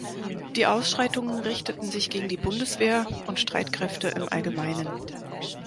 Die Ausschreitungen richteten sich gegen die Bundeswehr und Streitkräfte im Allgemeinen.